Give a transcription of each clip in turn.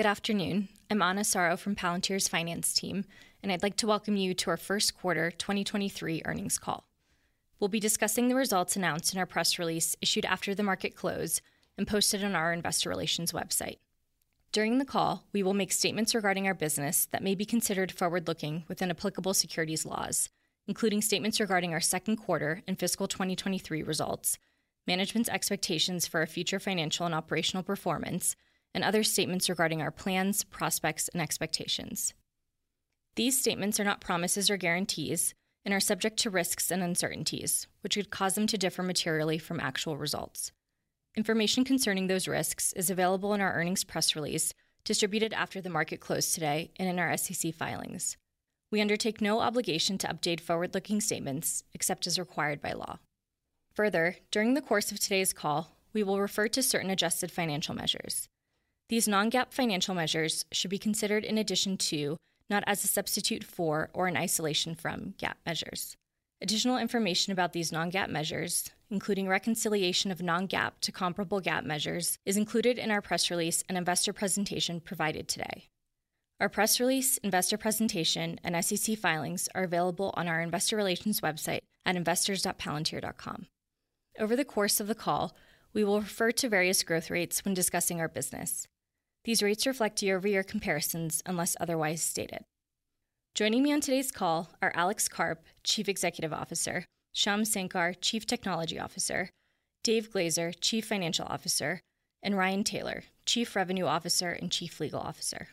Good afternoon. I'm Ana Soro from Palantir's finance team, and I'd like to welcome you to our first quarter 2023 earnings call. We'll be discussing the results announced in our press release issued after the market closed and posted on our investor relations website. During the call, we will make statements regarding our business that may be considered forward-looking within applicable securities laws, including statements regarding our second quarter and fiscal 2023 results, management's expectations for our future financial and operational performance, and other statements regarding our plans, prospects, and expectations. These statements are not promises or guarantees and are subject to risks and uncertainties which could cause them to differ materially from actual results. Information concerning those risks is available in our earnings press release distributed after the market closed today and in our SEC filings. We undertake no obligation to update forward-looking statements except as required by law. During the course of today's call, we will refer to certain adjusted financial measures. These non-GAAP financial measures should be considered in addition to, not as a substitute for, or in isolation from GAAP measures. Additional information about these non-GAAP measures, including reconciliation of non-GAAP to comparable GAAP measures, is included in our press release and investor presentation provided today. Our press release investor presentation, and SEC filings are available on our investor relations website at investors.palantir.com. Over the course of the call, we will refer to various growth rates when discussing our business. These rates reflect year-over-year comparisons unless otherwise stated. Joining me on today's call are Alex Karp, Chief Executive Officer, Shyam Sankar, Chief Technology Officer, Dave Glazer, Chief Financial Officer, and Ryan Taylor, Chief Revenue Officer and Chief Legal Officer.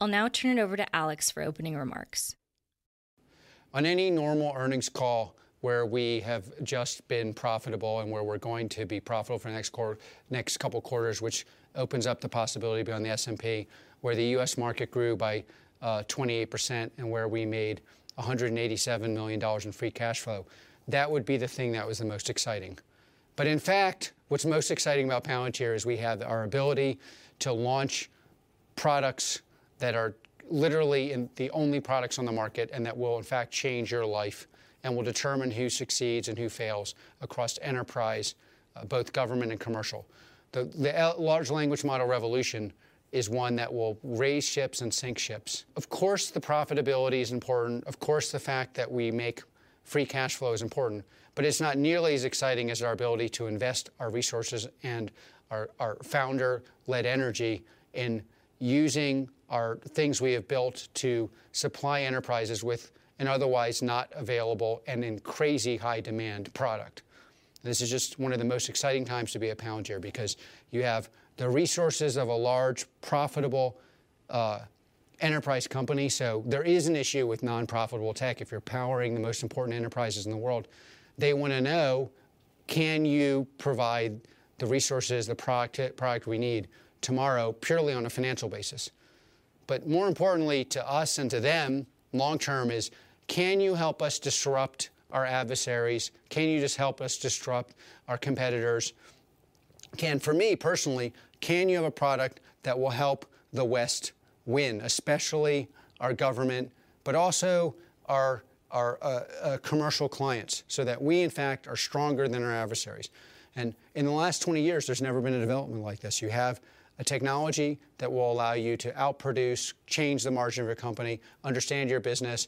I'll now turn it over to Alex for opening remarks. On any normal earnings call where we have just been profitable and where we're going to be profitable for the next couple quarters, which opens up the possibility to be on the S&P, where the U.S. market grew by 28% and where we made $187 million in free cash flow, that would be the thing that was the most exciting. In fact, what's most exciting about Palantir is we have our ability to launch products that are literally the only products on the market and that will in fact change your life and will determine who succeeds and who fails across enterprise, both government and commercial. The large language model revolution is one that will raise ships and sink ships. Of course, the profitability is important. The fact that we make free cash flow is important, it's not nearly as exciting as our ability to invest our resources and our founder-led energy in using our things we have built to supply enterprises with an otherwise not available and in crazy high demand product. This is just one of the most exciting times to be at Palantir because you have the resources of a large, profitable, enterprise company, there is an issue with non-profitable tech. If you're powering the most important enterprises in the world, they wanna know, can you provide the resources, the product we need tomorrow purely on a financial basis? More importantly to us and to them long term is, can you help us disrupt our adversaries? Can you just help us disrupt our competitors? Can for me personally, can you have a product that will help the West win, especially our government, but also our commercial clients, so that we in fact are stronger than our adversaries? In the last 20 years, there's never been a development like this. You have a technology that will allow you to outproduce, change the margin of your company, understand your business,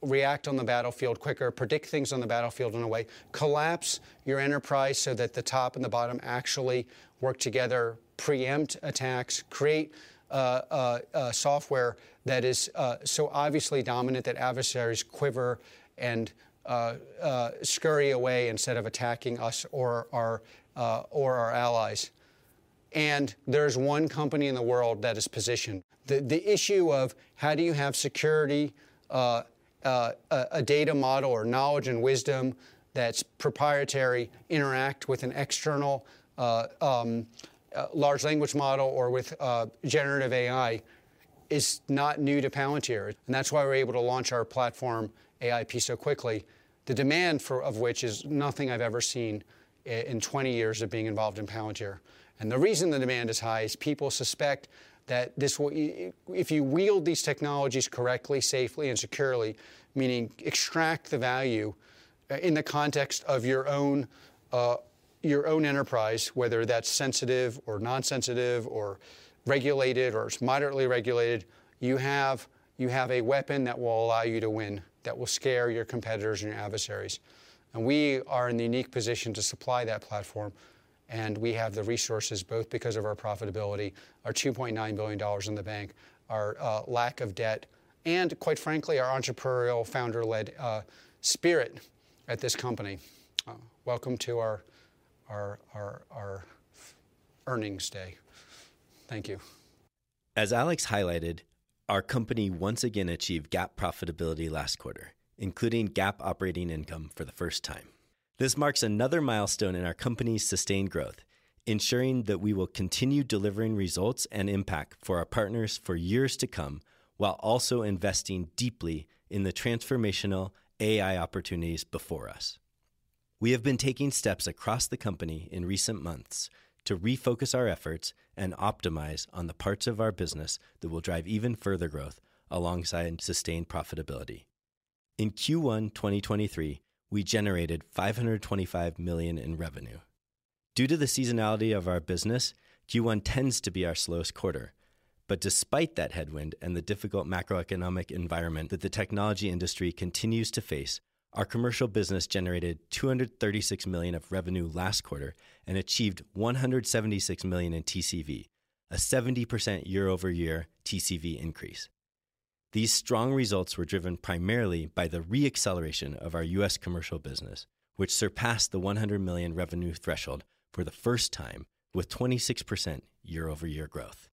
react on the battlefield quicker, predict things on the battlefield in a way, collapse your enterprise so that the top and the bottom actually work together, preempt attacks, create a software that is so obviously dominant that adversaries quiver and scurry away instead of attacking us or our or our allies. There's one company in the world that is positioned. The issue of how do you have security, a data model or knowledge and wisdom that's proprietary interact with an external large language model or with generative AI is not new to Palantir. That's why we're able to launch our platform AIP so quickly. The demand of which is nothing I've ever seen in 20 years of being involved in Palantir. The reason the demand is high is people suspect that this will if you wield these technologies correctly, safely, and securely, meaning extract the value in the context of your own enterprise, whether that's sensitive or non-sensitive or regulated or it's moderately regulated, you have a weapon that will allow you to win, that will scare your competitors and your adversaries. We are in the unique position to supply that platform, and we have the resources both because of our profitability, our $2.9 billion in the bank, our lack of debt, and quite frankly, our entrepreneurial founder-led spirit at this company. Welcome to our earnings day. Thank you. As Alex highlighted, our company once again achieved GAAP profitability last quarter, including GAAP operating income for the first time. This marks another milestone in our company's sustained growth, ensuring that we will continue delivering results and impact for our partners for years to come, while also investing deeply in the transformational AI opportunities before us. We have been taking steps across the company in recent months to refocus our efforts and optimize on the parts of our business that will drive even further growth alongside sustained profitability. In Q1 2023, we generated $525 million in revenue. Due to the seasonality of our business, Q1 tends to be our slowest quarter. Despite that headwind and the difficult macroeconomic environment that the technology industry continues to face, our commercial business generated $236 million of revenue last quarter and achieved $176 million in TCV, a 70% year-over-year TCV increase. These strong results were driven primarily by the re-acceleration of our U.S. commercial business, which surpassed the $100 million revenue threshold for the first time with 26% year-over-year growth.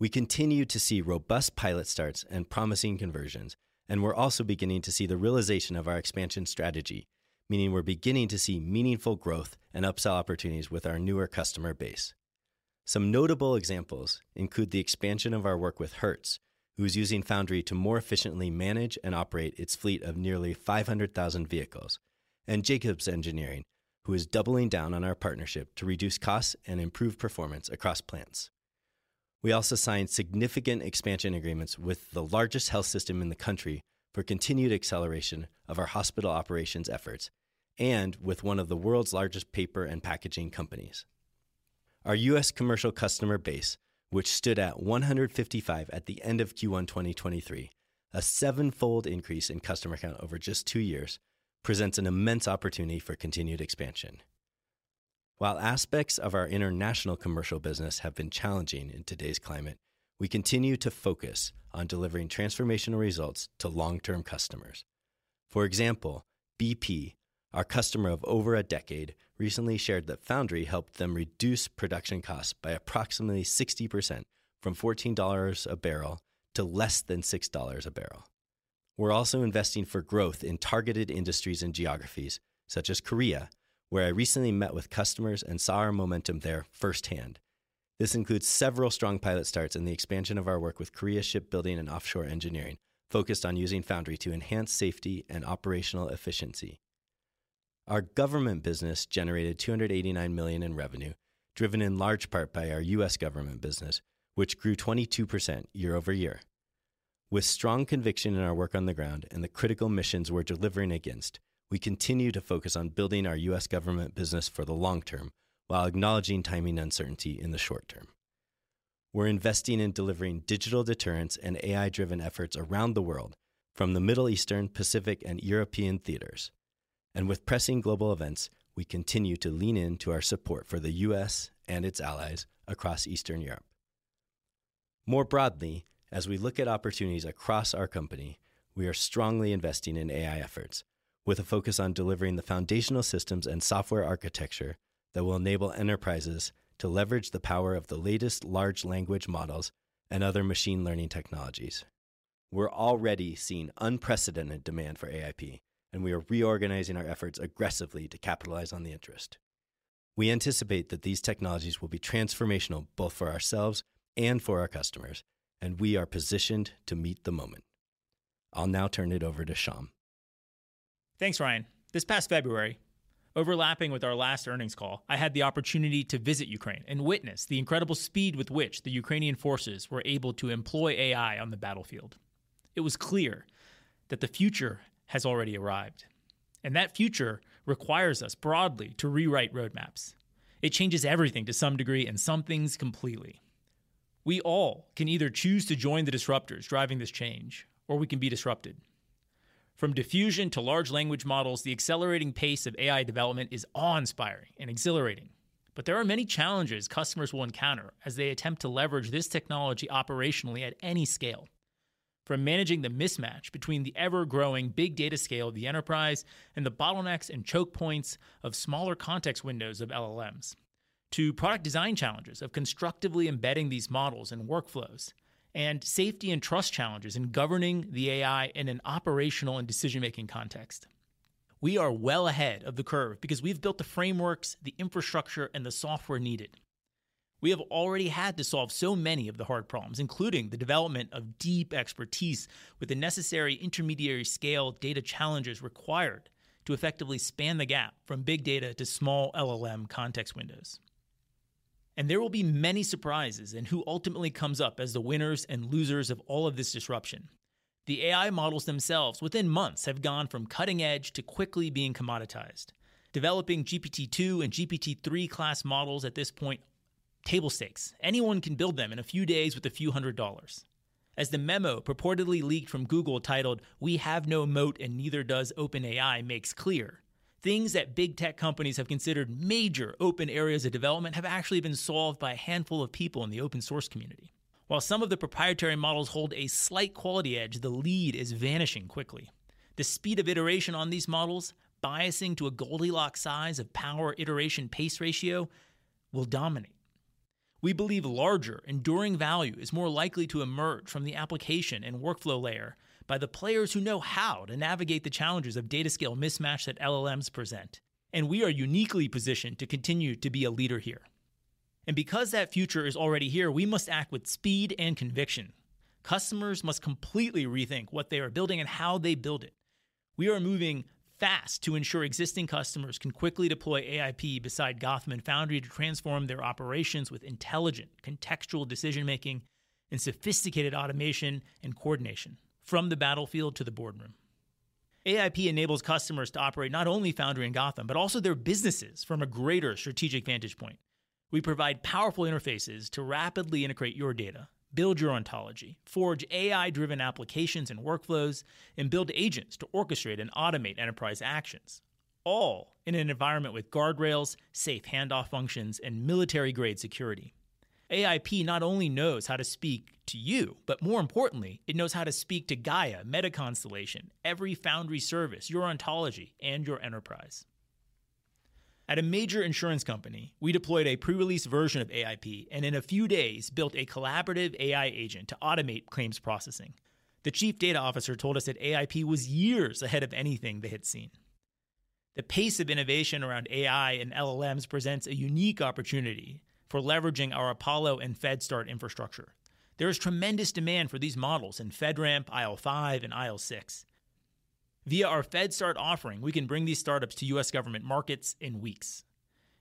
We continue to see robust pilot starts and promising conversions, and we're also beginning to see the realization of our expansion strategy, meaning we're beginning to see meaningful growth and upsell opportunities with our newer customer base. Some notable examples include the expansion of our work with Hertz, who's using Foundry to more efficiently manage and operate its fleet of nearly 500,000 vehicles, and Jacobs Engineering, who is doubling down on our partnership to reduce costs and improve performance across plants. We also signed significant expansion agreements with the largest health system in the country for continued acceleration of our hospital operations efforts and with one of the world's largest paper and packaging companies. Our U.S. commercial customer base, which stood at 155 at the end of Q1 2023, a 7-fold increase in customer count over just two years, presents an immense opportunity for continued expansion. While aspects of our international commercial business have been challenging in today's climate, we continue to focus on delivering transformational results to long-term customers. For example, BP, our customer of over a decade, recently shared that Foundry helped them reduce production costs by approximately 60% from $14 a barrel to less than $6 a barrel. We're also investing for growth in targeted industries and geographies such as Korea, where I recently met with customers and saw our momentum there firsthand. This includes several strong pilot starts and the expansion of our work with Korea Shipbuilding & Offshore Engineering, focused on using Foundry to enhance safety and operational efficiency. Our government business generated $289 million in revenue, driven in large part by our U.S. government business, which grew 22% year-over-year. With strong conviction in our work on the ground and the critical missions we're delivering against, we continue to focus on building our U.S. government business for the long term while acknowledging timing uncertainty in the short term. We're investing in delivering digital deterrence and AI-driven efforts around the world from the Middle Eastern, Pacific, and European theaters. With pressing global events, we continue to lean into our support for the U.S. and its allies across Eastern Europe. More broadly, as we look at opportunities across our company, we are strongly investing in AI efforts with a focus on delivering the foundational systems and software architecture that will enable enterprises to leverage the power of the latest large language models and other machine learning technologies. We're already seeing unprecedented demand for AIP, and we are reorganizing our efforts aggressively to capitalize on the interest. We anticipate that these technologies will be transformational both for ourselves and for our customers, and we are positioned to meet the moment. I'll now turn it over to Shyam. Thanks Ryan. This past February, overlapping with our last earnings call, I had the opportunity to visit Ukraine and witness the incredible speed with which the Ukrainian forces were able to employ AI on the battlefield. It was clear that the future has already arrived, and that future requires us broadly to rewrite roadmaps. It changes everything to some degree and some things completely. We all can either choose to join the disruptors driving this change, or we can be disrupted. From diffusion to large language models, the accelerating pace of AI development is awe-inspiring and exhilarating. There are many challenges customers will encounter as they attempt to leverage this technology operationally at any scale. From managing the mismatch between the ever-growing big data scale of the enterprise and the bottlenecks and choke points of smaller context windows of LLMs, to product design challenges of constructively embedding these models and workflows, and safety and trust challenges in governing the AI in an operational and decision-making context. We are well ahead of the curve because we've built the frameworks, the infrastructure, and the software needed. We have already had to solve so many of the hard problems, including the development of deep expertise with the necessary intermediary scale data challenges required to effectively span the gap from big data to small LLM context windows. There will be many surprises in who ultimately comes up as the winners and losers of all of this disruption. The AI models themselves within months have gone from cutting edge to quickly being commoditized. Developing GPT-2 and GPT-3 class models at this point, table stakes. Anyone can build them in a few days with a few hundred dollars. As the memo purportedly leaked from Google titled We Have No Moat, And Neither Does OpenAI makes clear, things that big tech companies have considered major open areas of development have actually been solved by a handful of people in the open source community. While some of the proprietary models hold a slight quality edge, the lead is vanishing quickly. The speed of iteration on these models, biasing to a Goldilocks size of power iteration pace ratio will dominate. We believe larger, enduring value is more likely to emerge from the application and workflow layer by the players who know how to navigate the challenges of data scale mismatch that LLMs present, and we are uniquely positioned to continue to be a leader here. Because that future is already here, we must act with speed and conviction. Customers must completely rethink what they are building and how they build it. We are moving fast to ensure existing customers can quickly deploy AIP beside Gotham and Foundry to transform their operations with intelligent contextual decision-making and sophisticated automation and coordination from the battlefield to the boardroom. AIP enables customers to operate not only Foundry and Gotham, but also their businesses from a greater strategic vantage point. We provide powerful interfaces to rapidly integrate your data, build your Ontology, forge AI-driven applications and workflows, and build agents to orchestrate and automate enterprise actions, all in an environment with guardrails, safe handoff functions, and military-grade security. AIP not only knows how to speak to you, but more importantly, it knows how to speak to Gaia, Meta Constellation, every Foundry service, your Ontology, and your enterprise. At a major insurance company, we deployed a pre-release version of AIP, and in a few days, built a collaborative AI agent to automate claims processing. The chief data officer told us that AIP was years ahead of anything they had seen. The pace of innovation around AI and LLMs presents a unique opportunity for leveraging our Apollo and FedStart infrastructure. There is tremendous demand for these models in FedRAMP, IL5, and IL6. Via our FedStart offering, we can bring these startups to U.S. government markets in weeks.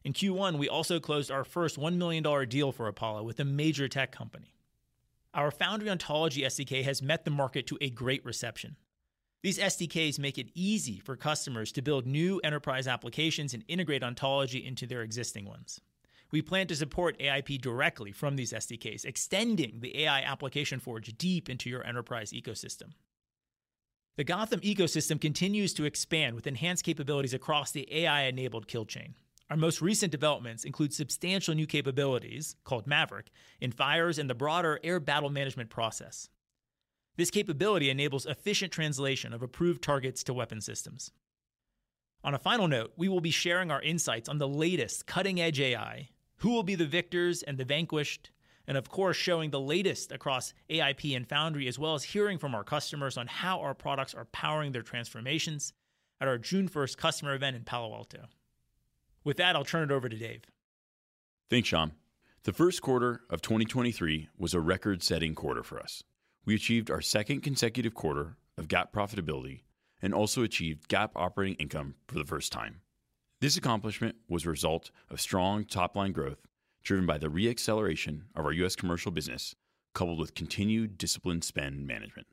In Q1, we also closed our first $1 million deal for Apollo with a major tech company. Our Foundry Ontology SDK has met the market to a great reception. These SDKs make it easy for customers to build new enterprise applications and integrate ontology into their existing ones. We plan to support AIP directly from these SDKs, extending the AI application forge deep into your enterprise ecosystem. The Gotham ecosystem continues to expand with enhanced capabilities across the AI-enabled kill chain. Our most recent developments include substantial new capabilities called Maverick in fires and the broader air battle management process. This capability enables efficient translation of approved targets to weapon systems. On a final note, we will be sharing our insights on the latest cutting-edge AI, who will be the victors and the vanquished, and of course, showing the latest across AIP and Foundry, as well as hearing from our customers on how our products are powering their transformations at our June first customer event in Palo Alto. With that, I'll turn it over to Dave. Thanks, Shyam. The first quarter of 2023 was a record-setting quarter for us. We achieved our second consecutive quarter of GAAP profitability and also achieved GAAP operating income for the first time. This accomplishment was a result of strong top-line growth driven by the re-acceleration of our U.S. commercial business, coupled with continued disciplined spend management.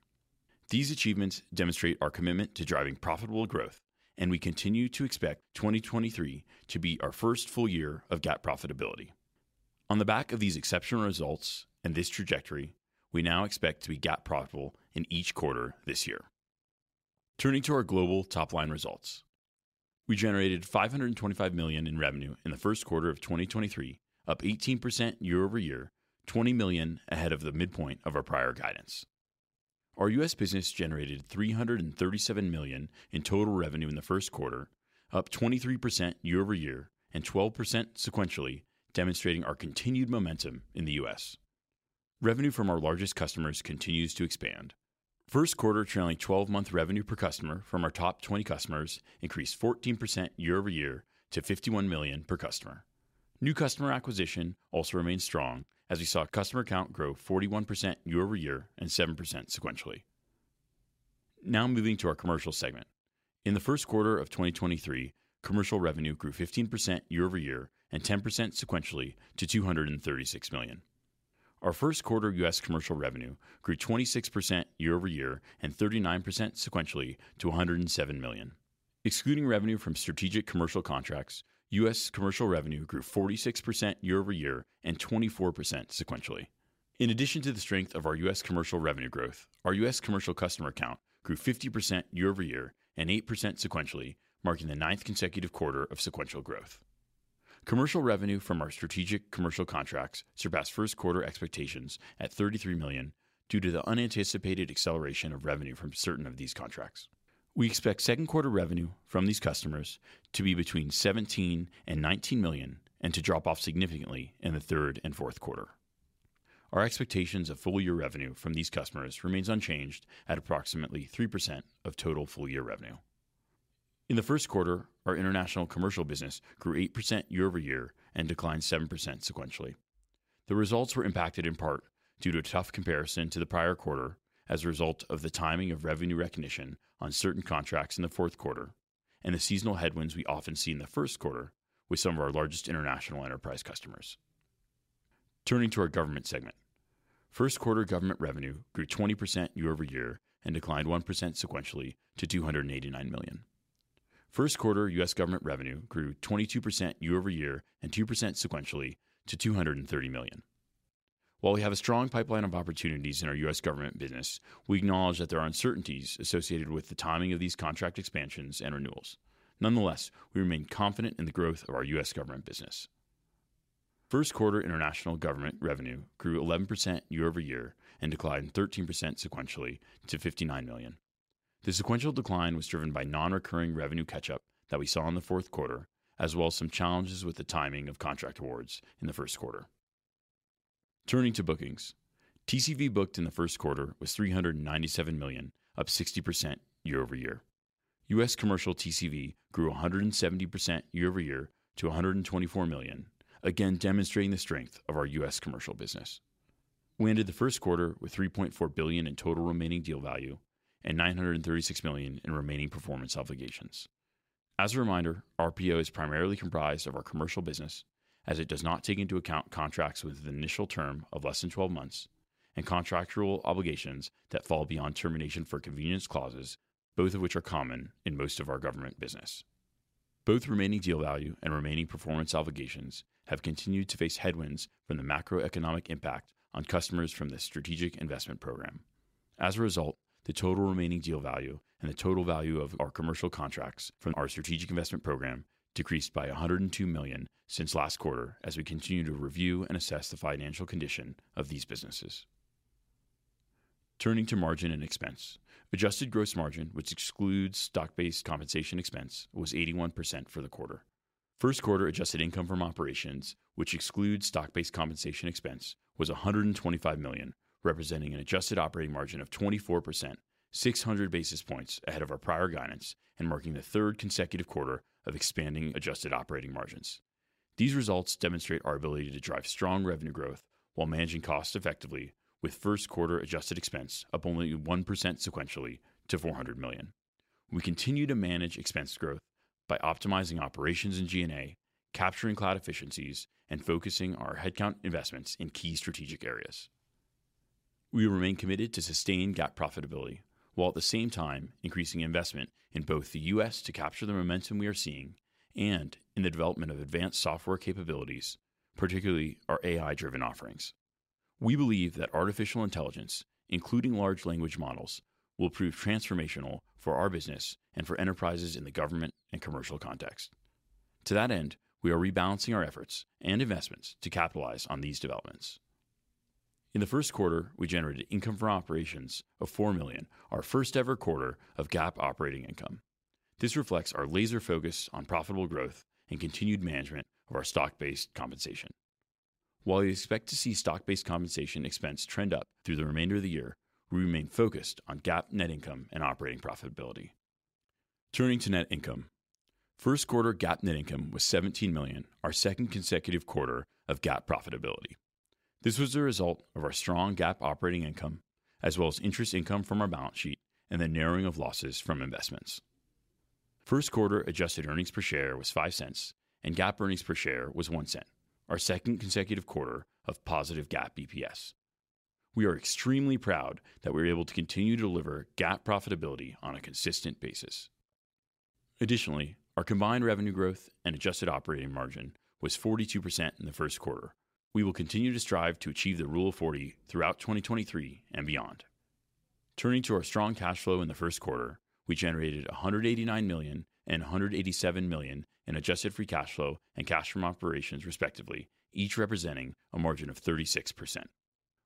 These achievements demonstrate our commitment to driving profitable growth. We continue to expect 2023 to be our first full year of GAAP profitability. On the back of these exceptional results and this trajectory, we now expect to be GAAP profitable in each quarter this year. Turning to our global top-line results, we generated $525 million in revenue in the first quarter of 2023, up 18% year-over-year, $20 million ahead of the midpoint of our prior guidance. Our U.S. business generated $337 million in total revenue in the first quarter, up 23% year-over-year and 12% sequentially, demonstrating our continued momentum in the U.S. Revenue from our largest customers continues to expand. First quarter trailing twelve-month revenue per customer from our top 20 customers increased 14% year-over-year to $51 million per customer. New customer acquisition also remains strong as we saw customer count grow 41% year-over-year and 7% sequentially. Moving to our commercial segment. In the first quarter of 2023, commercial revenue grew 15% year-over-year and 10% sequentially to $236 million. Our first quarter U.S. commercial revenue grew 26% year-over-year and 39% sequentially to $107 million. Excluding revenue from Strategic Commercial Contracts, U.S. commercial revenue grew 46% year-over-year and 24% sequentially. In addition to the strength of our U.S. commercial revenue growth, our U.S. commercial customer count grew 50% year-over-year and 8% sequentially, marking the ninth consecutive quarter of sequential growth. Commercial revenue from our Strategic Commercial Contracts surpassed first quarter expectations at $33 million due to the unanticipated acceleration of revenue from certain of these contracts. We expect second quarter revenue from these customers to be between $17 million and $19 million and to drop off significantly in the third and fourth quarter. Our expectations of full year revenue from these customers remains unchanged at approximately 3% of total full year revenue. In the first quarter, our international commercial business grew 8% year-over-year and declined 7% sequentially. The results were impacted in part due to a tough comparison to the prior quarter as a result of the timing of revenue recognition on certain contracts in the fourth quarter and the seasonal headwinds we often see in the first quarter with some of our largest international enterprise customers. Turning to our government segment. First quarter government revenue grew 20% year-over-year and declined 1% sequentially to $289 million. First quarter U.S. government revenue grew 22% year-over-year and 2% sequentially to $230 million. While we have a strong pipeline of opportunities in our U.S. government business, we acknowledge that there are uncertainties associated with the timing of these contract expansions and renewals. We remain confident in the growth of our U.S. government business. First quarter international government revenue grew 11% year-over-year and declined 13% sequentially to $59 million. The sequential decline was driven by non-recurring revenue catch-up that we saw in the fourth quarter, as well as some challenges with the timing of contract awards in the first quarter. Turning to bookings. TCV booked in the first quarter was $397 million, up 60% year-over-year. U.S. commercial TCV grew 170% year-over-year to $124 million, again demonstrating the strength of our U.S. commercial business. We ended the first quarter with $3.4 billion in total remaining deal value and $936 million in remaining performance obligations. As a reminder, RPO is primarily comprised of our commercial business as it does not take into account contracts with an initial term of less than 12 months and contractual obligations that fall beyond termination for convenience clauses, both of which are common in most of our government business. Both remaining deal value and remaining performance obligations have continued to face headwinds from the macroeconomic impact on customers from the strategic investment program. The total remaining deal value and the total value of our commercial contracts from our strategic investment program decreased by $102 million since last quarter as we continue to review and assess the financial condition of these businesses. Turning to margin and expense. Adjusted gross margin, which excludes stock-based compensation expense, was 81% for the quarter. First quarter adjusted income from operations, which excludes stock-based compensation expense, was $125 million, representing an adjusted operating margin of 24%, 600 basis points ahead of our prior guidance and marking the third consecutive quarter of expanding adjusted operating margins. These results demonstrate our ability to drive strong revenue growth while managing costs effectively with first quarter adjusted expense up only 1% sequentially to $400 million. We continue to manage expense growth by optimizing operations in G&A, capturing cloud efficiencies, and focusing our headcount investments in key strategic areas. We remain committed to sustained GAAP profitability, while at the same time increasing investment in both the U.S. to capture the momentum we are seeing and in the development of advanced software capabilities, particularly our AI-driven offerings. We believe that artificial intelligence, including large language models, will prove transformational for our business and for enterprises in the government and commercial context. To that end, we are rebalancing our efforts and investments to capitalize on these developments. In the first quarter, we generated income from operations of $4 million, our first ever quarter of GAAP operating income. This reflects our laser focus on profitable growth and continued management of our stock-based compensation. While you expect to see stock-based compensation expense trend up through the remainder of the year, we remain focused on GAAP net income and operating profitability. Turning to net income. First quarter GAAP net income was $17 million, our second consecutive quarter of GAAP profitability. This was the result of our strong GAAP operating income, as well as interest income from our balance sheet and the narrowing of losses from investments. First quarter adjusted earnings per share was $0.05 and GAAP earnings per share was $0.01, our second consecutive quarter of positive GAAP EPS. We are extremely proud that we were able to continue to deliver GAAP profitability on a consistent basis. Additionally, our combined revenue growth and adjusted operating margin was 42% in the first quarter. We will continue to strive to achieve the Rule of 40 throughout 2023 and beyond. Turning to our strong cash flow in the first quarter, we generated $189 million and $187 million in adjusted free cash flow and cash from operations, respectively, each representing a margin of 36%.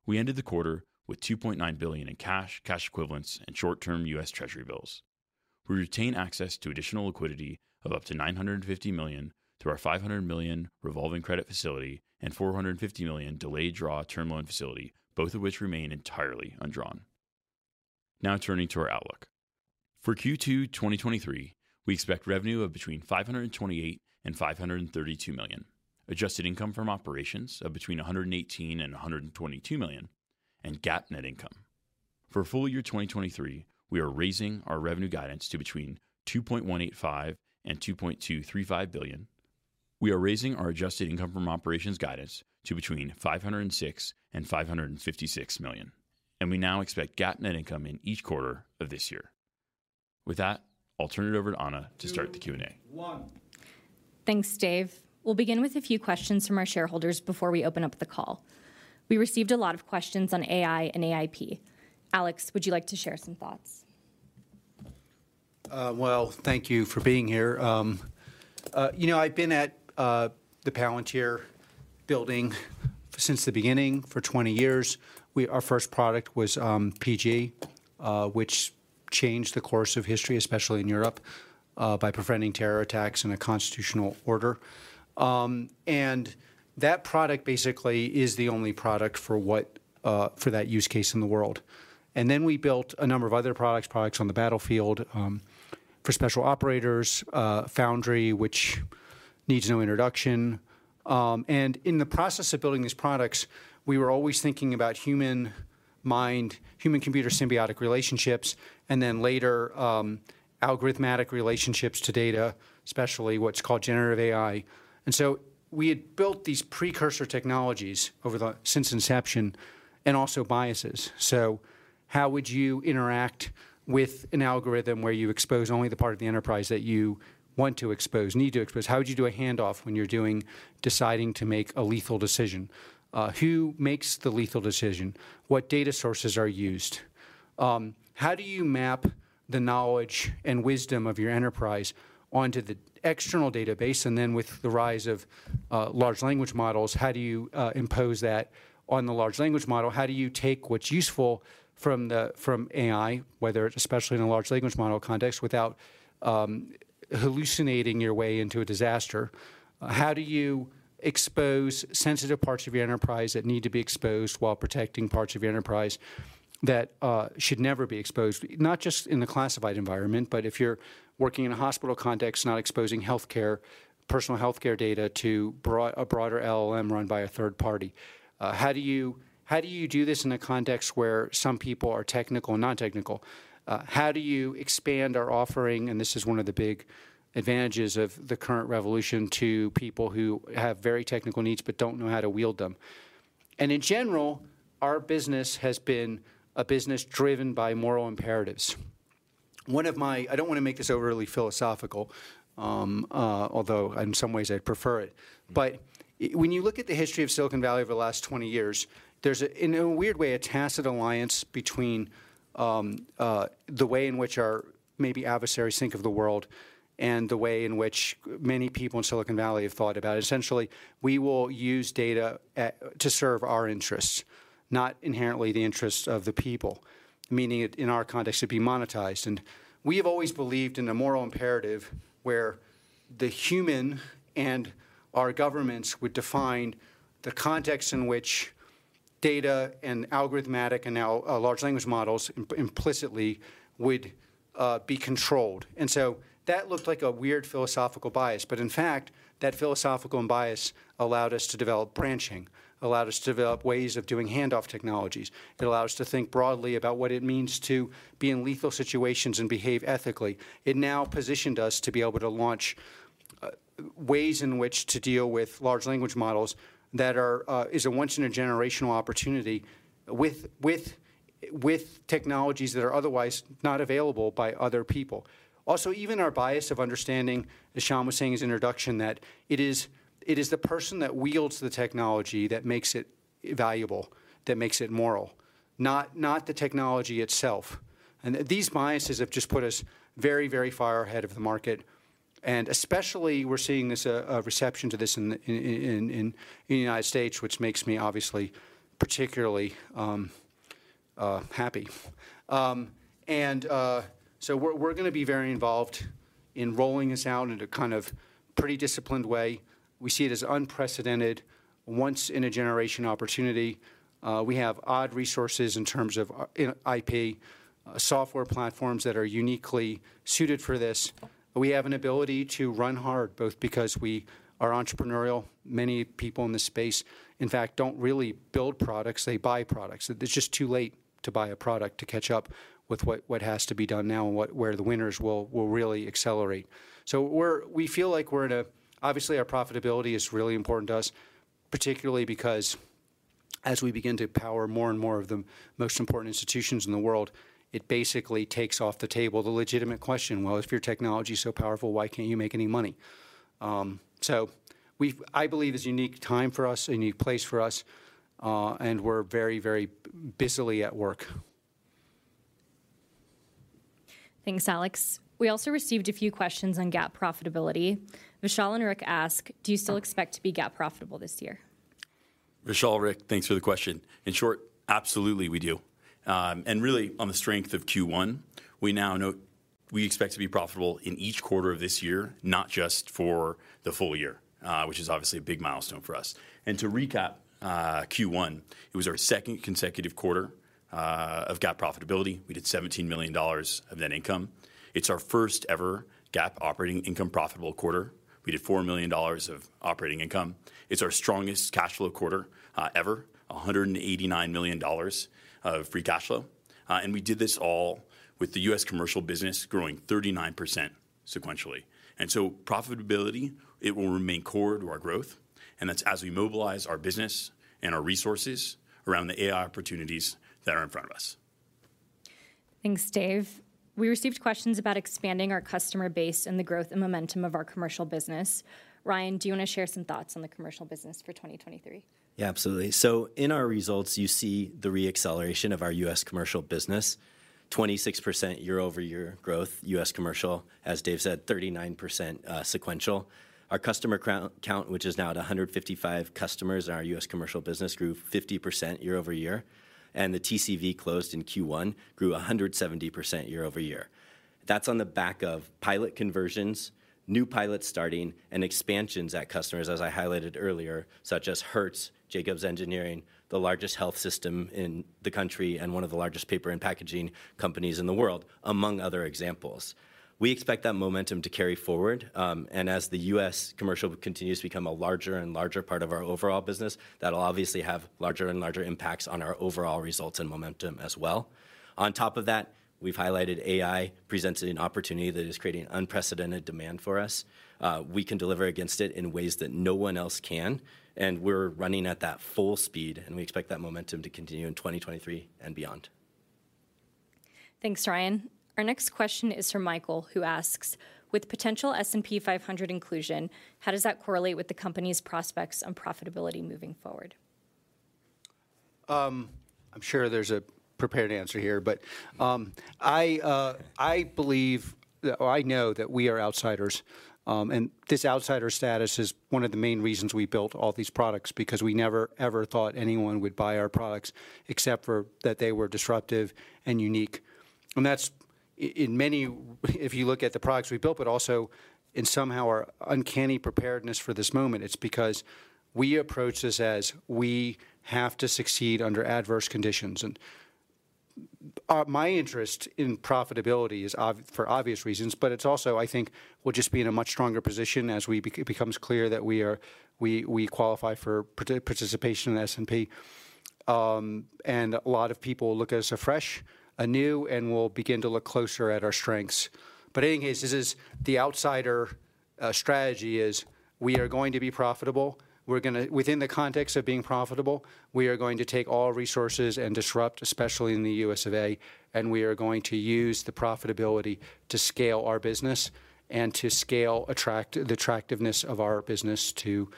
We ended the quarter with $2.9 billion in cash equivalents, and short-term U.S. Treasury Bills. We retain access to additional liquidity of up to $950 million through our $500 million revolving credit facility and $450 million delayed draw term loan facility, both of which remain entirely undrawn. Turning to our outlook. For Q2 2023, we expect revenue of between $528 million and $532 million, adjusted income from operations of between $118 million and $122 million, and GAAP net income. For full year 2023, we are raising our revenue guidance to between $2.185 billion and $2.235 billion. We are raising our adjusted income from operations guidance to between $506 million and $556 million, and we now expect GAAP net income in each quarter of this year. With that, I'll turn it over to Ana to start the Q&A. Two, one. Thanks, Dave. We'll begin with a few questions from our shareholders before we open up the call. We received a lot of questions on AI and AIP. Alex, would you like to share some thoughts? Well, thank you for being here. You know I've been at the Palantir building since the beginning for 20 years. Our first product was PG, which changed the course of history, especially in Europe, by preventing terror attacks in a constitutional order. That product basically is the only product for what, for that use case in the world. We built a number of other products on the battlefield, for special operators, Foundry, which needs no introduction. In the process of building these products, we were always thinking about human mind, human computer symbiotic relationships, later, algorithmic relationships to data, especially what's called generative AI, and so we had built these precursor technologies over the since inception and also biases. So how would you interact with an algorithm where you expose only the part of the enterprise that you want to expose, need to expose? How would you do a handoff when deciding to make a lethal decision? Who makes the lethal decision? What data sources are used? How do you map the knowledge and wisdom of your enterprise onto the external database? With the rise of large language models, how do you impose that on the large language model? How do you take what's useful from AI, whether especially in a large language model context, without hallucinating your way into a disaster? How do you expose sensitive parts of your enterprise that need to be exposed while protecting parts of your enterprise that should never be exposed? Not just in the classified environment, but if you're working in a hospital context, not exposing healthcare, personal healthcare data to a broader LLM run by a third party. How do you do this in a context where some people are technical and non-technical? How do you expand our offering, and this is one of the big advantages of the current revolution, to people who have very technical needs but don't know how to wield them. In general, our business has been a business driven by moral imperatives. One of my, I don't wanna make this overly philosophical, although in some ways I'd prefer it. When you look at the history of Silicon Valley over the last 20 years, there's a, in a weird way, a tacit alliance between the way in which our maybe adversaries think of the world and the way in which many people in Silicon Valley have thought about it. Essentially, we will use data at, to serve our interests, not inherently the interests of the people, meaning it, in our context, to be monetized. We have always believed in a moral imperative where the human and our governments would define the context in which data and algorithmic and now large language models implicitly would be controlled. That looked like a weird philosophical bias, but in fact, that philosophical bias allowed us to develop branching, allowed us to develop ways of doing handoff technologies. It allowed us to think broadly about what it means to be in lethal situations and behave ethically. It now positioned us to be able to launch ways in which to deal with large language models that are is a once in a generational opportunity with technologies that are otherwise not available by other people. Even our bias of understanding, as Shyam was saying in his introduction, that it is the person that wields the technology that makes it valuable, that makes it moral, not the technology itself. These biases have just put us very far ahead of the market. Especially we're seeing this a reception to this in the United States, which makes me obviously particularly happy. We're gonna be very involved in rolling this out in a kind of pretty disciplined way. We see it as unprecedented, once in a generation opportunity. We have odd resources in terms of IP, software platforms that are uniquely suited for this. We have an ability to run hard, both because we are entrepreneurial. Many people in this space, in fact, don't really build products, they buy products. It's just too late to buy a product to catch up with what has to be done now and what, where the winners will really accelerate. We feel like we're in a... Our profitability is really important to us, particularly because as we begin to power more and more of the most important institutions in the world, it basically takes off the table the legitimate question, "Well, if your technology is so powerful, why can't you make any money?" I believe it's a unique time for us, a unique place for us, and we're very busily at work. Thanks, Alex. We also received a few questions on GAAP profitability. Vishal and Rick ask, "Do you still expect to be GAAP profitable this year?" Vishal, Rick, thanks for the question. In short, absolutely we do. Really on the strength of Q1, we expect to be profitable in each quarter of this year, not just for the full year, which is obviously a big milestone for us. To recap, Q1, it was our second consecutive quarter of GAAP profitability. We did $17 million of net income. It's our first ever GAAP operating income profitable quarter. We did $4 million of operating income. It's our strongest cash flow quarter ever, $189 million of free cash flow. We did this all with the U.S. commercial business growing 39% sequentially. Profitability, it will remain core to our growth, and that's as we mobilize our business and our resources around the AI opportunities that are in front of us. Thanks Dave. We received questions about expanding our customer base and the growth and momentum of our commercial business. Ryan, do you want to share some thoughts on the commercial business for 2023? Absolutely. In our results, you see the re-acceleration of our U.S. commercial business, 26% year-over-year growth, U.S. commercial, as Dave said, 39% sequential. Our customer count, which is now at 155 customers in our U.S. commercial business, grew 50% year-over-year. The TCV closed in Q1 grew 170% year-over-year. That's on the back of pilot conversions, new pilots starting, and expansions at customers, as I highlighted earlier, such as Hertz, Jacobs Engineering, the largest health system in the country, and one of the largest paper and packaging companies in the world, among other examples. We expect that momentum to carry forward, and as the U.S. commercial continues to become a larger and larger part of our overall business, that'll obviously have larger and larger impacts on our overall results and momentum as well. On top of that, we've highlighted AI presents an opportunity that is creating unprecedented demand for us. We can deliver against it in ways that no one else can, and we're running at that full speed, and we expect that momentum to continue in 2023 and beyond. Thanks, Ryan. Our next question is from Michael, who asks, "With potential S&P 500 inclusion, how does that correlate with the company's prospects on profitability moving forward? I'm sure there's a prepared answer here, but I believe or I know that we are outsiders, and this outsider status is one of the main reasons we built all these products because we never, ever thought anyone would buy our products except for that they were disruptive and unique. That's in many, if you look at the products we built, but also in somehow our uncanny preparedness for this moment, it's because we approach this as we have to succeed under adverse conditions. My interest in profitability is for obvious reasons, but it's also I think we'll just be in a much stronger position as it becomes clear that we are, we qualify for part-participation in S&P, and a lot of people look at us afresh, anew, and will begin to look closer at our strengths. In any case, this is the outsider strategy is we are going to be profitable. Within the context of being profitable, we are going to take all resources and disrupt, especially in the U.S. of A. We are going to use the profitability to scale our business and to scale the attractiveness of our business to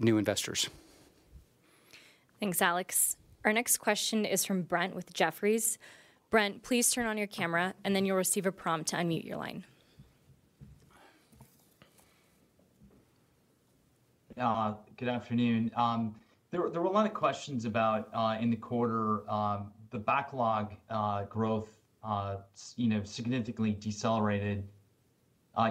new investors. Thanks, Alex. Our next question is from Brent with Jefferies. Brent, please turn on your camera, and then you'll receive a prompt to unmute your line. Good afternoon. There were a lot of questions about in the quarter, the backlog, you know, significantly decelerated,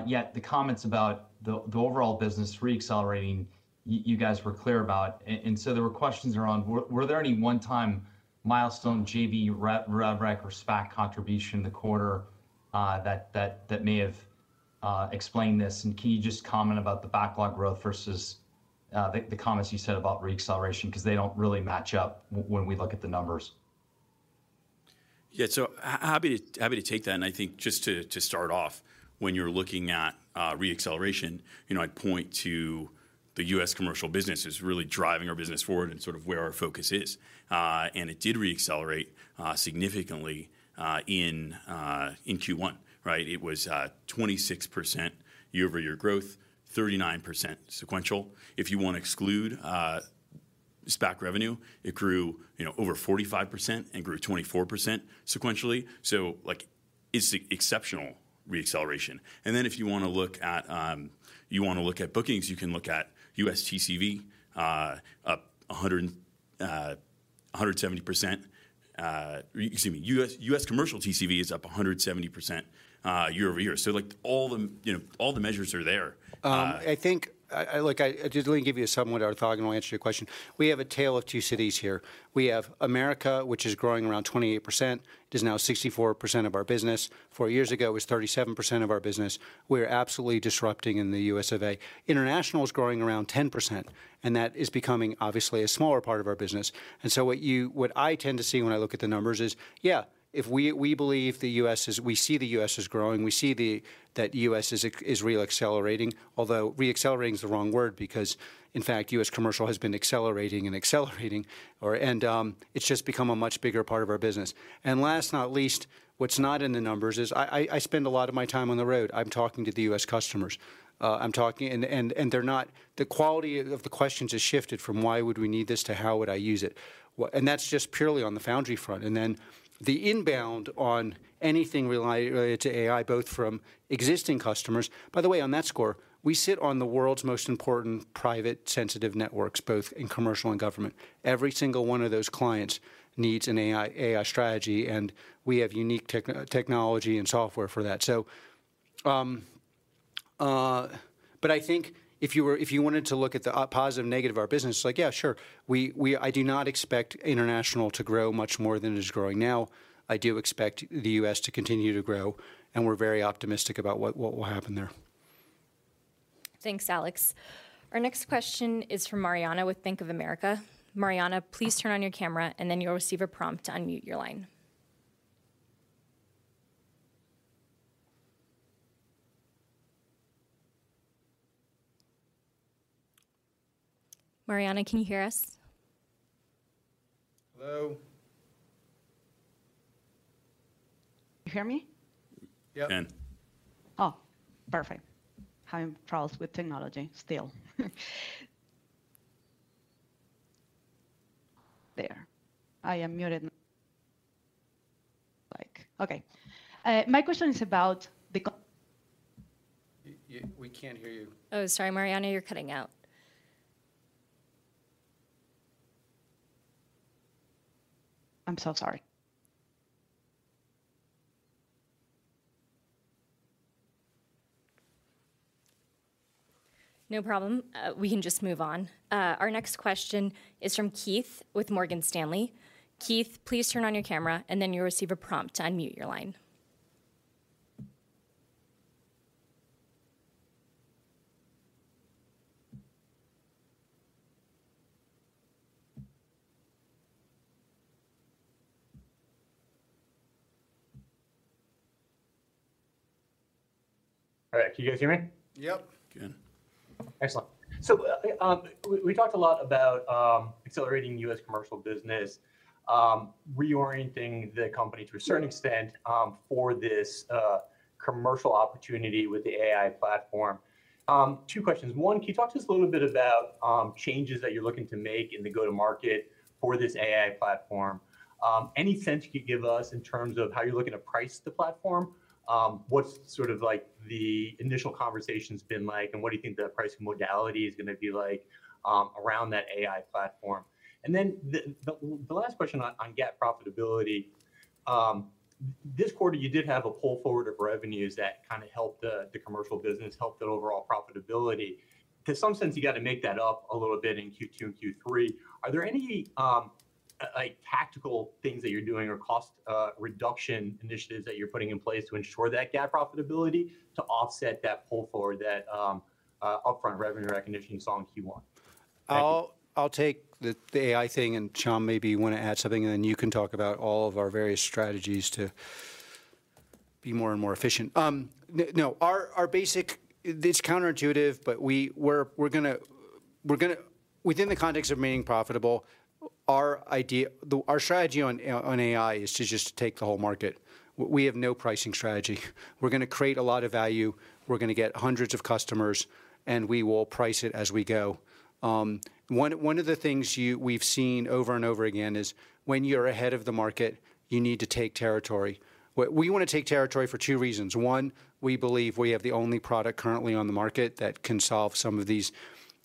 yet the comments about the overall business reaccelerating you guys were clear about. There were questions around, were there any one-time milestone JV rev rec or SPAC contribution in the quarter that may have explained this? Can you just comment about the backlog growth versus the comments you said about reacceleration? They don't really match up when we look at the numbers. Yeah. Happy to, happy to take that. I think just to start off, when you're looking at reacceleration, you know, I point to the U.S. commercial business as really driving our business forward and sort of where our focus is. It did reaccelerate significantly in Q1, right? It was 26% year-over-year growth, 39% sequential. If you wanna exclude SPAC revenue, it grew, you know, over 45% and grew 24% sequentially. Like, it's exceptional reacceleration. If you wanna look at bookings, you can look at U.S. TCV, up 170%. Or excuse me, U.S., U.S. commercial TCV is up 170% year-over-year. So like, all the, you know, all the measures are there. I think Look, I just want to give you a somewhat orthogonal answer to your question. We have a tale of two cities here. We have America, which is growing around 28%. It is now 64% of our business. Four years ago, it was 37% of our business. We are absolutely disrupting in the U.S. of A. International is growing around 10%, that is becoming, obviously, a smaller part of our business. What I tend to see when I look at the numbers is, yeah, if we believe we see the U.S. as growing, we see that U.S. is reaccelerating. Although reaccelerating is the wrong word because, in fact, U.S. commercial has been accelerating and accelerating. It's just become a much bigger part of our business. Last, not least, what's not in the numbers is I spend a lot of my time on the road. I'm talking to the U.S. customers. The quality of the questions has shifted from, "Why would we need this?" to, "How would I use it?" That's just purely on the Foundry front. Then the inbound on anything related to AI, both from existing customers... By the way, on that score, we sit on the world's most important private sensitive networks, both in commercial and government. Every single one of those clients needs an AI strategy, and we have unique technology and software for that. I think if you wanted to look at the positive and negative of our business, like, yeah, sure, I do not expect international to grow much more than it is growing now. I do expect the U.S. to continue to grow, and we're very optimistic about what will happen there. Thanks, Alex. Our next question is from Mariana with Bank of America. Mariana, please turn on your camera, and then you'll receive a prompt to unmute your line. Mariana, can you hear us? Hello? You hear me? Yep. Can. Oh, perfect. Having troubles with technology still. There. I am muted. Like. Okay. My question is about the. We can't hear you. Sorry, Mariana, you're cutting out. I'm so sorry. No problem. We can just move on. Our next question is from Keith with Morgan Stanley. Keith, please turn on your camera, and then you'll receive a prompt to unmute your line. All right. Can you guys hear me? Yep. Can. Excellent. We talked a lot about accelerating U.S. commercial business, reorienting the company to a certain extent for this commercial opportunity with the AI platform. Two questions. One, can you talk to us a little bit about changes that you're looking to make in the go-to-market for this AI platform? Any sense you could give us in terms of how you're looking to price the platform? What's sort of like the initial conversation's been like, and what do you think the pricing modality is gonna be like around that AI platform? The last question on GAAP profitability, this quarter you did have a pull forward of revenues that kind of helped the commercial business, helped the overall profitability. To some sense you got to make that up a little bit in Q2 and Q3. Are there any? ....tactical things that you're doing or cost, reduction initiatives that you're putting in place to ensure that GAAP profitability to offset that pull forward, that, upfront revenue recognition you saw in Q1? I'll take the AI thing, and Shyam maybe wanna add something, and then you can talk about all of our various strategies to be more and more efficient. No. It's counterintuitive, but we're gonna, within the context of remaining profitable, our idea, our strategy on AI is to just take the whole market. We have no pricing strategy. We're gonna create a lot of value, we're gonna get hundreds of customers, and we will price it as we go. One of the things we've seen over and over again is when you're ahead of the market, you need to take territory. We wanna take territory for two reasons. One, we believe we have the only product currently on the market that can solve some of these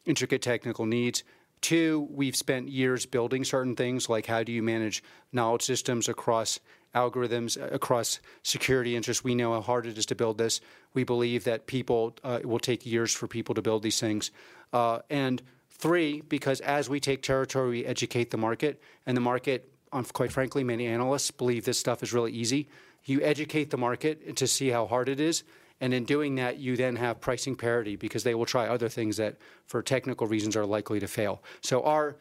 intricate technical needs. Two, we've spent years building certain things, like how do you manage knowledge systems across algorithms, across security interests? We know how hard it is to build this. We believe that people, it will take years for people to build these things. Three, because as we take territory, we educate the market, and the market, quite frankly, many analysts believe this stuff is really easy. You educate the market to see how hard it is, and in doing that, you then have pricing parity because they will try other things that for technical reasons are likely to fail. Our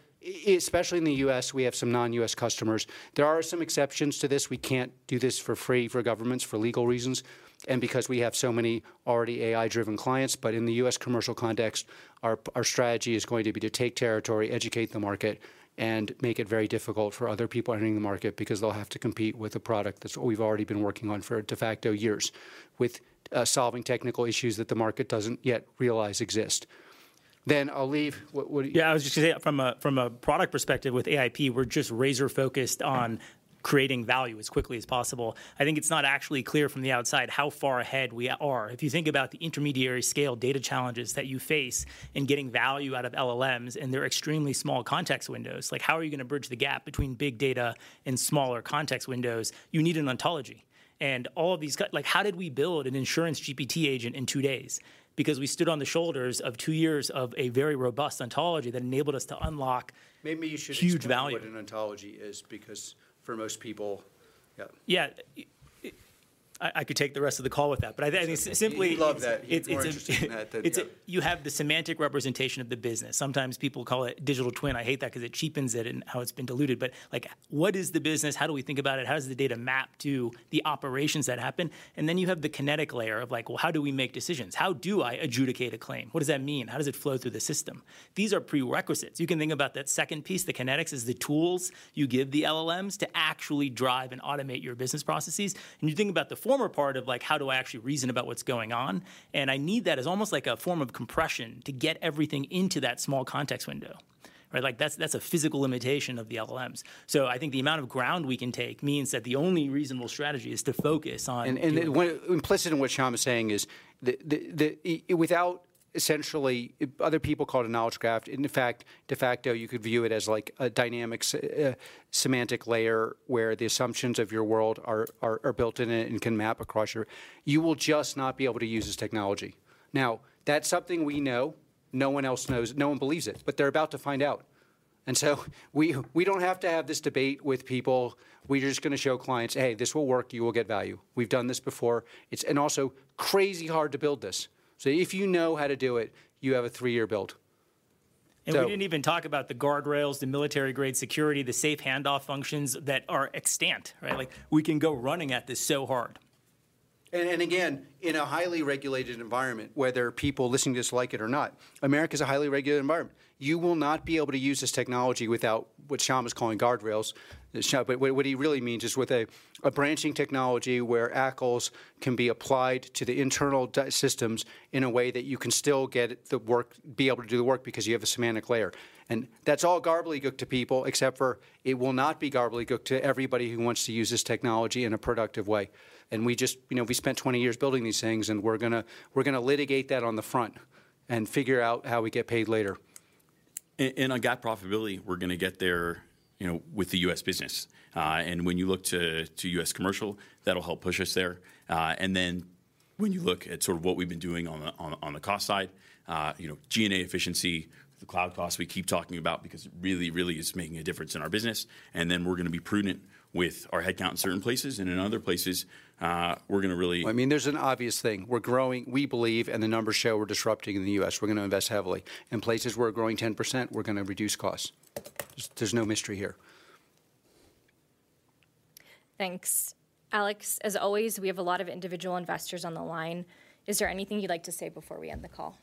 especially in the U.S., we have some non-U.S. customers, there are some exceptions to this. We can't do this for free for governments for legal reasons, and because we have so many already AI-driven clients. In the U.S. commercial context, our strategy is going to be to take territory, educate the market, and make it very difficult for other people entering the market because they'll have to compete with a product that's what we've already been working on for de facto years with solving technical issues that the market doesn't yet realize exist. I'll leave... What do you- Yeah, I was just gonna say, from a product perspective with AIP, we're just razor-focused on creating value as quickly as possible. I think it's not actually clear from the outside how far ahead we are. If you think about the intermediary scale data challenges that you face in getting value out of LLMs and their extremely small context windows, like how are you gonna bridge the gap between big data and smaller context windows? You need an Ontology. like how did we build an insurance GPT agent in two days? Because we stood on the shoulders of two years of a very robust Ontology that enabled us to unlock. Maybe you should explain- huge value... what an Ontology is because for most people. Yeah. Yeah. I could take the rest of the call with that, but I think simply- He'd love that. He's more interested in that than. You have the semantic representation of the business. Sometimes people call it digital twin. I hate that 'cause it cheapens it and how it's been diluted. Like what is the business? How do we think about it? How does the data map to the operations that happen? Then you have the kinetic layer of like, well, how do we make decisions? How do I adjudicate a claim? What does that mean? How does it flow through the system? These are prerequisites. You can think about that second piece, the kinetics, as the tools you give the LLMs to actually drive and automate your business processes. You think about the former part of like, how do I actually reason about what's going on? I need that as almost like a form of compression to get everything into that small context window, right? Like that's a physical limitation of the LLMs. I think the amount of ground we can take means that the only reasonable strategy is to focus on. Implicit in what Shyam is saying is, without essentially, other people call it a knowledge graph. In fact, de facto, you could view it as like a dynamic semantic layer where the assumptions of your world are built in it and can map across. You will just not be able to use this technology. That's something we know. No one else knows. No one believes it, but they're about to find out. We don't have to have this debate with people. We're just gonna show clients, "Hey, this will work. You will get value. We've done this before." and also crazy hard to build this. If you know how to do it, you have a three-year build. We didn't even talk about the guardrails, the military grade security, the safe handoff functions that are extant, right? Like we can go running at this so hard. Again, in a highly regulated environment, whether people listening to this like it or not, America is a highly regulated environment. You will not be able to use this technology without what Shyam is calling guardrails. What he really means is with a branching technology where ACLs can be applied to the internal systems in a way that you can still be able to do the work because you have a semantic layer. That's all gobbledygook to people except for it will not be gobbledygook to everybody who wants to use this technology in a productive way. You know, we spent 20 years building these things, and we're gonna litigate that on the front and figure out how we get paid later. On GAAP profitability, we're gonna get there, you know, with the U.S. business. When you look to U.S. commercial, that'll help push us there. When you look at sort of what we've been doing on the cost side, you know, G&A efficiency, the cloud costs we keep talking about because it really is making a difference in our business. We're gonna be prudent with our headcount in certain places, and in other places, we're gonna. I mean, there's an obvious thing. We're growing, we believe, and the numbers show we're disrupting in the U.S. We're gonna invest heavily. In places we're growing 10%, we're gonna reduce costs. There's no mystery here. Thanks. Alex, as always, we have a lot of individual investors on the line. Is there anything you'd like to say before we end the call?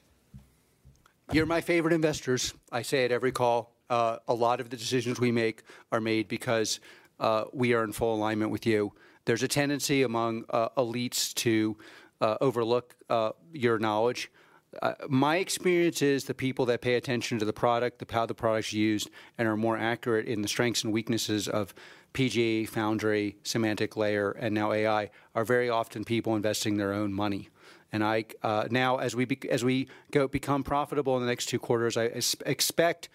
You're my favorite investors. I say it every call. A lot of the decisions we make are made because we are in full alignment with you. There's a tendency among elites to overlook your knowledge. My experience is the people that pay attention to the product, how the product's used and are more accurate in the strengths and weaknesses of PGA, Foundry, semantic layer, and now AI are very often people investing their own money. Now, as we go become profitable in the next two quarters, I expect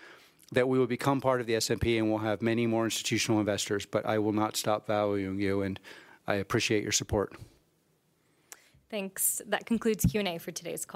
that we will become part of the S&P and we'll have many more institutional investors. I will not stop valuing you, and I appreciate your support. Thanks. That concludes Q&A for today's call.